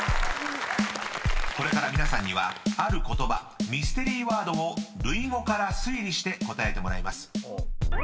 ［これから皆さんにはある言葉ミステリーワードを類語から推理して答えてもらいます］